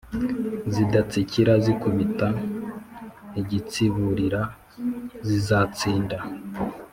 Zidatsikira zikubita igitsiburira zizatsinda